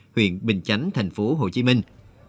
huyện bình chánh thành phố hồ chí minh